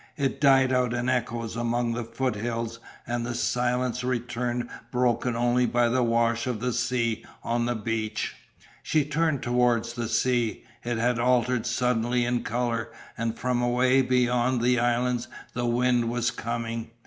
It died out in echoes amongst the foothills and the silence returned broken only by the wash of the sea on the beach. She turned towards the sea. It had altered suddenly in colour and from away beyond the islands the wind was coming.